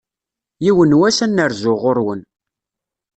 Yiwen wass, ad n-rzuɣ ɣur-wen.